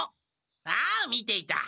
ああ見ていた。